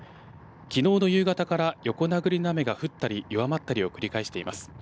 きのうの夕方から横殴りの雨が降ったり弱まったりを繰り返しています。